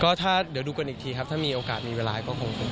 ก็ถ้าเดี๋ยวดูกันอีกทีครับถ้ามีโอกาสมีเวลาก็คง